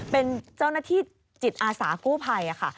เป็นเจ้าหน้าที่จิตอาสากู้ภัยค่ะ